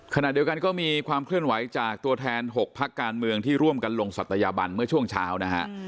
ขณะเดียวกันก็มีความเคลื่อนไหวจากตัวแทน๖พักการเมืองที่ร่วมกันลงศัตยาบันเมื่อช่วงเช้านะฮะ